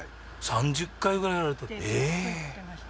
３０回ぐらい殴られたと。